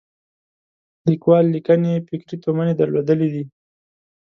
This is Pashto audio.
لیکوال لیکنې یې فکري تومنې درلودلې دي.